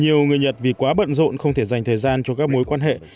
nhiều người nhật vì quá bận rộn không thể dành thời gian cho các mối quan hệ